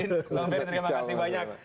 terima kasih banyak